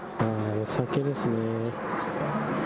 お酒ですね。